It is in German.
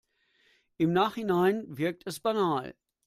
Im Nachhinein wirkt es banal.